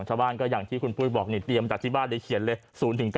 ชาวบ้านก็อย่างที่คุณปุ้ยบอกนี่เตรียมจากที่บ้านเลยเขียนเลย๐๙